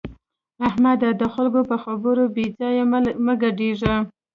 احمده! د خلګو په خبرو بې ځایه مه ګډېږه.